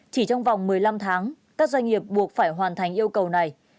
chỉ trong vòng một mươi năm tháng các doanh nghiệp buộc phải hoàn thành yêu cầu này